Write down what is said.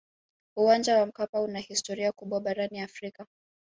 uwanja wa mkapa una historia kubwa barani afrika